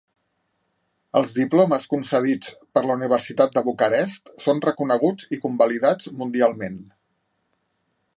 Els diplomes concedits per la Universitat de Bucarest són reconeguts i convalidats mundialment.